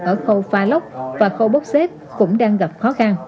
ở khâu pha lốc và khâu bốc xếp cũng đang gặp khó khăn